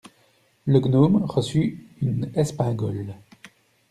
Le gnome reçut une espingole.